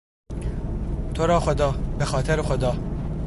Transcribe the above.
تو را خدا!، به خاطر خدا!